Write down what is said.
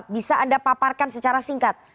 bisa anda paparkan secara singkat